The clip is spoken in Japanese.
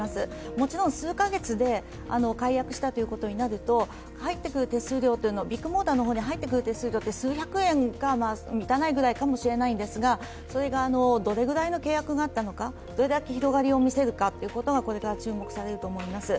もちろん数か月で解約したということになると、ビッグモーターに入ってくる手数料というのは数百円か、それに満たないぐらいかもしれないんですが、それがどれくらいの契約があったのかどれだけ広がりを見せるかということがこれから注目されると思います。